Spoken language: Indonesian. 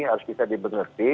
harus bisa diperhati